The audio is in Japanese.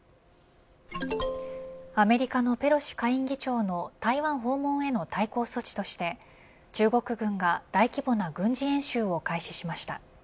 アメリカのペロシ下院議長の台湾訪問への対抗措置として中国軍が大規模な軍事演習を開始しました。